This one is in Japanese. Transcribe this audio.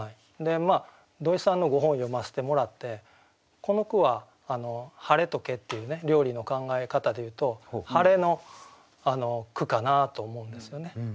土井さんのご本を読ませてもらってこの句はハレとケっていうね料理の考え方でいうとハレの句かなと思うんですよね。